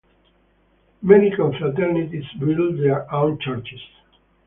Many confraternities built their own churches.